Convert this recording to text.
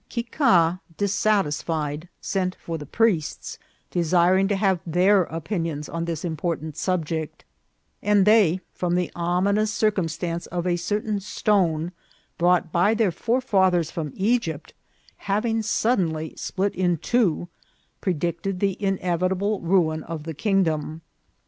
Kicah, dissatisfied, sent for the priests, desiring to have their opinions on this important subject ; and they, from the ominous circumstance of a certain stone, brought by their forefathers from Egypt, having sud denly split into two, predicted the inevitable ruin of the kingdom.